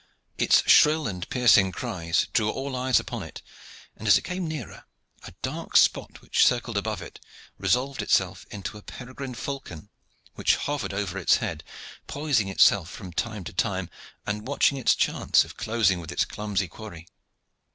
Its shrill and piercing cries drew all eyes upon it, and, as it came nearer, a dark spot which circled above it resolved itself into a peregrine falcon, which hovered over its head, poising itself from time to time, and watching its chance of closing with its clumsy quarry.